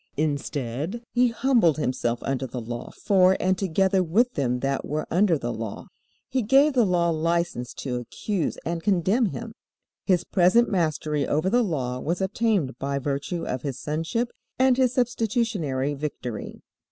Instead, He humbled Himself under the Law for and together with them that were under the Law. He gave the Law license to accuse and condemn Him. His present mastery over the Law was obtained by virtue of His Sonship and His substitutionary victory.